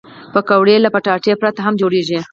پکورې له کچالو پرته هم جوړېږي